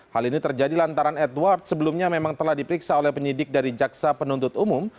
hal ini terjadi lantaran edward sebelumnya memang telah diperiksa oleh penyidik dari jaksa penuntut umum